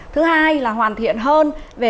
thứ hai là hoàn thiện hơn về